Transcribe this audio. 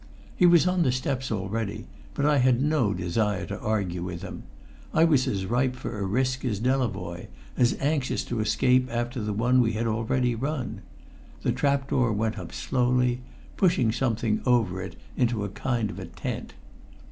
He was on the steps already, but I had no desire to argue with him. I was as ripe for a risk as Delavoye, as anxious to escape after the one we had already run. The trap door went up slowly, pushing something over it into a kind of tent.